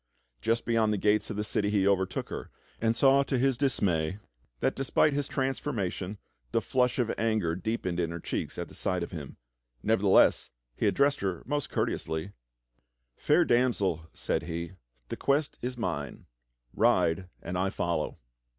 Just beyond the gates of the city he overtook her, and saw to GARETH THE. KITCHEN KNAVE 45 his dismay', that despite his transformation, the flush of anger deep ened in her cheeks at sight of him. Nevertheless, he addressed her most courteously. "Fair Damsel," said he, "the quest is mine. Ride and I follow."